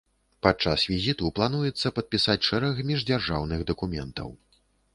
Падчас візіту плануецца падпісаць шэраг міждзяржаўных дакументаў.